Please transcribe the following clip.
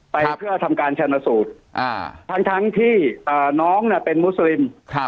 ไปเพื่อทำการชนสูตรทั้งที่น้องเป็นมุสลิม